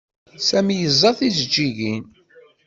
Sami yeẓẓa tijeǧǧigin.